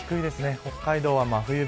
北海道は真冬日。